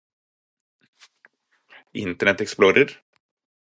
internet explorer